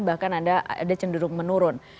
bahkan ada cenderung menurun